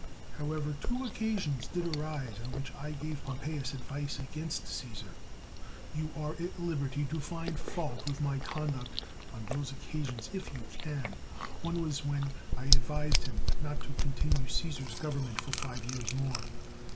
However, two occasions did arise, on which I gave Pompeius advice against Caesar. You are at liberty to find fault with my conduct on those occasions if you can. One was when I advised him not to continue Caesar's government for five years more.